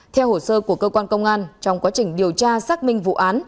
theo hồ sơ của cơ quan công an trong quá trình điều tra xác minh vụ án